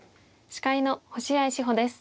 司会の星合志保です。